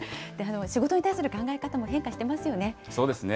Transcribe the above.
仕事に対する考え方も変化していますよね。